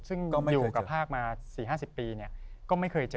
ซึ่งอยู่กับภาคมา๔๕๐ปีก็ไม่เคยเจอ